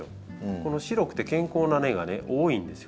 この白くて健康な根が多いんですよ